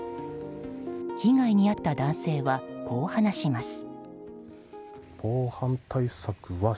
被害に遭った男性はこう話します。